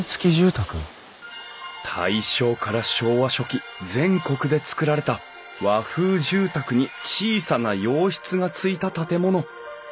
大正から昭和初期全国で造られた和風住宅に小さな洋室がついた建物。